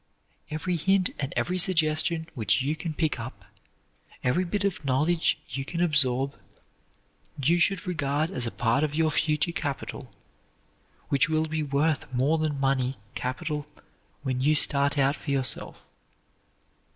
Every hint and every suggestion which you can pick up, every bit of knowledge you can absorb, you should regard as a part of your future capital which will be worth more than money capital when you start out for yourself.